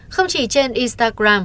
không chỉ trên instagram